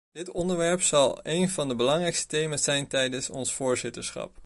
Dit onderwerp zal een van de belangrijkste thema's zijn tijdens ons voorzitterschap.